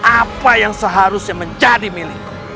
apa yang seharusnya menjadi milikku